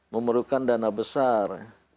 memerlukan dana besar